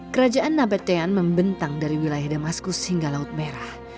kerajaan nabatean membentang dari wilayah damaskus hingga laut merah